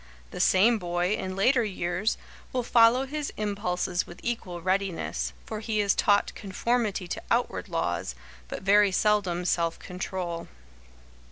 The same boy, in later years, will follow his impulses with equal readiness, for he is taught conformity to outward laws, but very seldom self control.